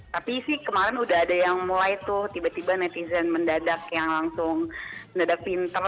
tapi sih kemarin udah ada yang mulai tuh tiba tiba netizen mendadak yang langsung mendadak pinter